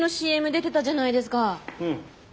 うん。